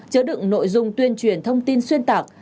chứa đựng nội dung tuyên truyền thông tin xuyên tạc